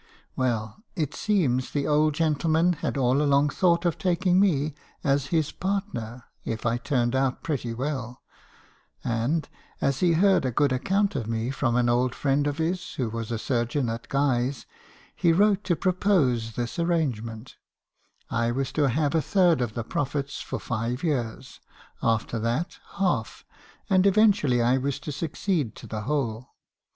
"Well, it seems the old gentleman had all along thought of taking me as his partner, if I turned out pretty well; and as he heard a good account of me from an old friend of his , who was a surgeon at Guy's , he wrote to propose this arrangement: I was to have a third of the profits for five years; after that, half; and eventually I was to succeed to the whole.